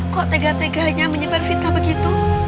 kok tegan teganya menyebar fitnah begitu